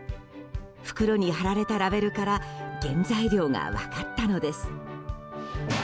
袋に貼られたラベルから原材料が分かったのです。